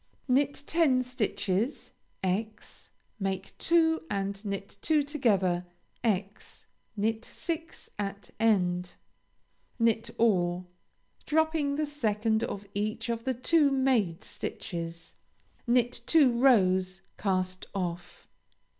Knit ten stitches, × make two and knit two together; × knit six at end. Knit all, dropping the second of each of the two made stitches. Knit two rows; cast off.